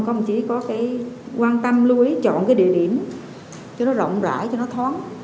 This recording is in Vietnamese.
công khai minh mạch